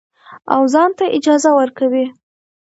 او ځان ته اجازه ورکوي.